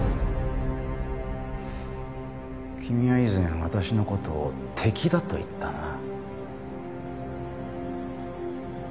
君は以前私の事を敵だと言ったな。